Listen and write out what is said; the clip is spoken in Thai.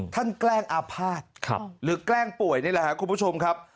แกล้งอาภาษณ์หรือแกล้งป่วยนี่แหละครับคุณผู้ชมครับ